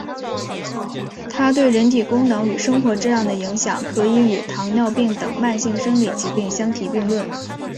它对人体功能与生活质量的影响可以与糖尿病等慢性生理疾病相提并论。